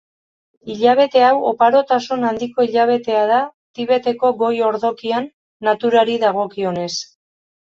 Hilabete hau oparotasun handiko hilabetea da Tibeteko Goi-ordokian naturari dagokionez.